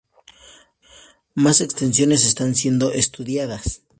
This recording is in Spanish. Más extensiones están siendo estudiadas.